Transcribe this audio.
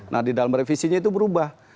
nah di dalam revisinya itu berubah